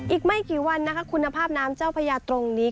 อีกไม่กี่วันนะคะคุณภาพน้ำเจ้าพญาตรงนี้